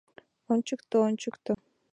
Ончыкто, ончыкто!